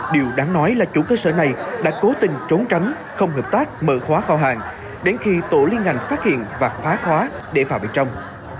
điều đáng nói là chủ cơ sở này đã cố tình trốn tránh không hợp tác mở khóa phao hàng đến khi tổ liên ngành phát hiện và phá khóa để vào bên trong